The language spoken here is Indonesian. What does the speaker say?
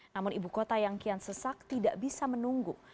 namun ibu kota yang kian sesak tidak bisa menunggu